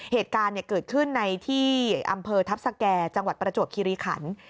เหตุการณ์เกิดขึ้นในที่อำเภอทัพสแก่จังหวัดประจวบคิริขัน